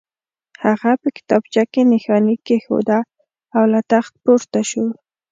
هغه په کتابچه کې نښاني کېښوده او له تخت پورته شو